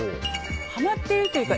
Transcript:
はまっているというか